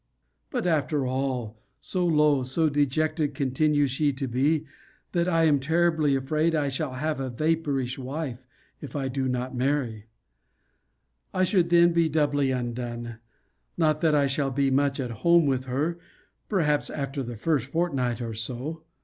But, after all, so low, so dejected, continues she to be, that I am terribly afraid I shall have a vapourish wife, if I do marry. I should then be doubly undone. Not that I shall be much at home with her, perhaps, after the first fortnight, or so.